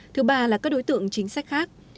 thứ ba là các đối tượng chính sách khác